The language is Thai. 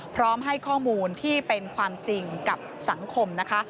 พร้อมให้ข้อมูลที่เป็นความจริงกับสังคมนะคะ